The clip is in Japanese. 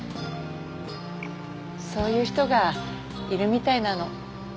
そういう人がいるみたいなのこっちに。